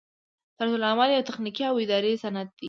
طرزالعمل یو تخنیکي او اداري سند دی.